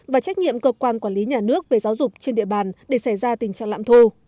và trách nhiệm cơ quan quản lý nhà nước về giáo dục trên địa bàn để xảy ra tình trạng lãm thu